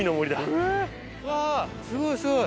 わぁすごいすごい。